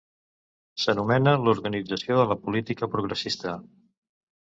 S'anomena l'organització de la política progressista.